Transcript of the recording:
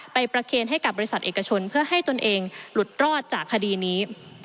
ประเคนให้กับบริษัทเอกชนเพื่อให้ตนเองหลุดรอดจากคดีนี้